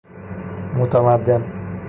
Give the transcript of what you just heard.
متمدن